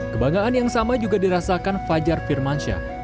kebanggaan yang sama juga dirasakan fajar firmansyah